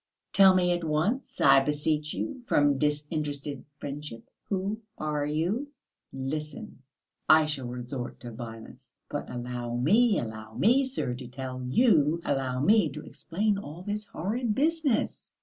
Tell me at once, I beseech you, from disinterested friendship, who are you?" "Listen, I shall resort to violence...." "But allow me, allow me, sir, to tell you, allow me to explain all this horrid business."